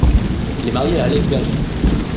Elle est mariée à Alex Berger.